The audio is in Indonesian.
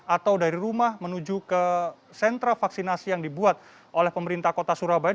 atau dari rumah menuju ke sentra vaksinasi yang dibuat oleh pemerintah kota surabaya